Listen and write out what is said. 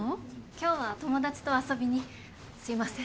今日は友達と遊びにすいません